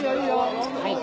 はい。